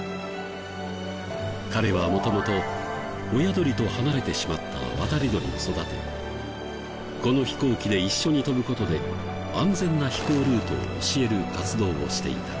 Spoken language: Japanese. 彼は元々親鳥と離れてしまった渡り鳥を育てこの飛行機で一緒に飛ぶ事で安全な飛行ルートを教える活動をしていた。